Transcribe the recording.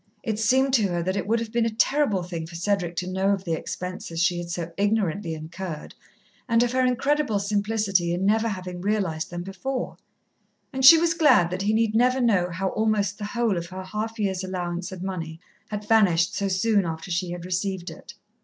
It seemed to her that it would have been a terrible thing for Cedric to know of the expenses she had so ignorantly incurred, and of her incredible simplicity in never having realized them before, and she was glad that he need never know how almost the whole of her half year's allowance of money had vanished so soon after she had received it.